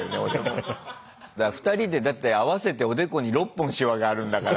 ２人でだって合わせておでこに６本シワがあるんだから。